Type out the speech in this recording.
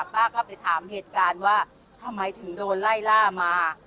ป้าก็ไปถามเหตุการณ์ว่าทำไมถึงโดนไล่ล่ามา